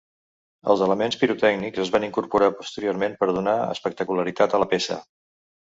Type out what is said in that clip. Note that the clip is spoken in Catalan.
Els elements pirotècnics es van incorporar posteriorment per donar espectacularitat a la peça.